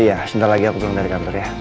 iya sebentar lagi aku pulang dari kantor ya